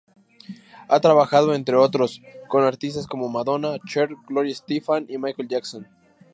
Ha trabajado, entre otros, con artistas como Madonna, Cher, Gloria Estefan o Michael Jackson.